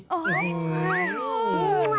อ๋อฮ่า